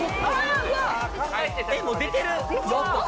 えっもう出てる。